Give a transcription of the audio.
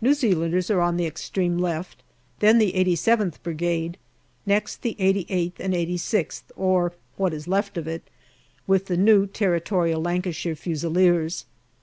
New Zealanders are on the extreme left, then the 87th Brigade, next the 88th and 86th, or what is left of it, with the new Territorial Lancashire Fusiliers.